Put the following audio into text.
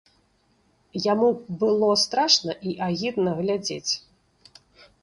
Яму было страшна і агідна глядзець.